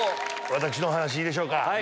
私のお話いいでしょうか。